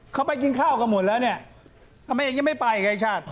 เขาไปกินข้าวกันหมดแล้วเนี่ยทำไมเองยังไม่ไปไงชาติ